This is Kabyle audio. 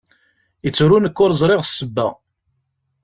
Yettru nekk ur ẓṛiɣ sebba.